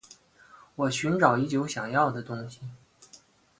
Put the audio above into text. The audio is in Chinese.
我寻找已久想要的东西